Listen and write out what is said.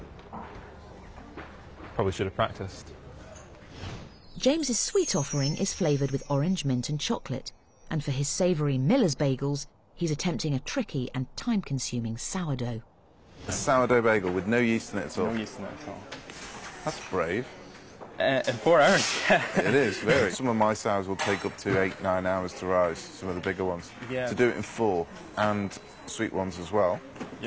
はい。